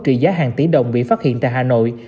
trị giá hàng tỷ đồng bị phát hiện tại hà nội